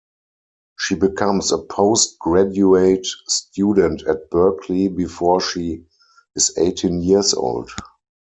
She becomes a post graduate student at Berkeley before she is eighteen years old.